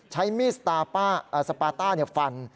ใช้มีสวัตล์ตาฟัน